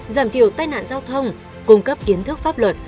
giảm thiểu tai nạn giao thông cung cấp kiến thức pháp luật